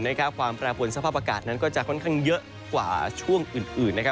ความแปรผลสภาพอากาศนั้นก็จะค่อนข้างเยอะกว่าช่วงอื่นนะครับ